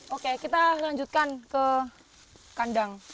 oke kita lanjutkan ke kandang